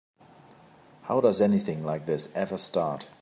How does anything like this ever start?